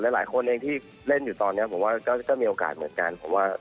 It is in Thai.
หลายคนที่เล่นอยู่ตอนนี้ก็มีโอกาสเหมือนกัน